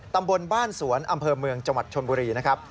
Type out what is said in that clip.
ตำบลบ้านสวนอำเภอเมืองจังหวัดชนบุรีนะครับ